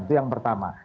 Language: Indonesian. itu yang pertama